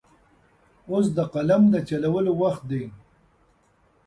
اوس د قلم د چلولو وخت دی.